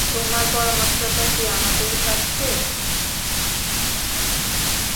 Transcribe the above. তোমার পরামর্শটা কী আমাদের কাছে?